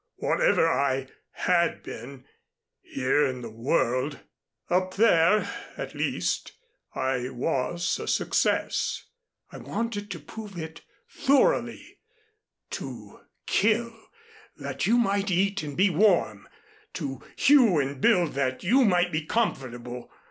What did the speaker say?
Whatever I had been here in the world up there at least I was a success. I wanted to prove it thoroughly to kill, that you might eat and be warm to hew and build, that you might be comfortable.